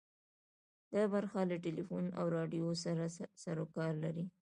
دا برخه له ټلیفون او راډیو سره سروکار لري.